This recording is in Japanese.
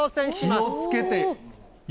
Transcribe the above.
気をつけてよ。